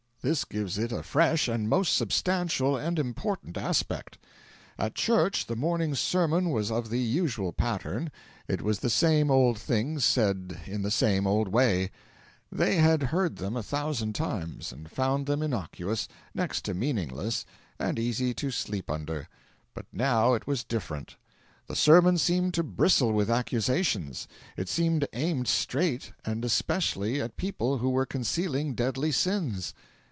This gives it a fresh and most substantial and important aspect. At church the morning sermon was of the usual pattern; it was the same old things said in the same old way; they had heard them a thousand times and found them innocuous, next to meaningless, and easy to sleep under; but now it was different: the sermon seemed to bristle with accusations; it seemed aimed straight and specially at people who were concealing deadly sins.